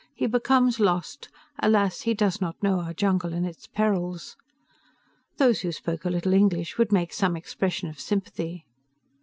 He becomes lost. Alas, he does not know our jungle and its perils." Those who spoke a little English would make some expression of sympathy.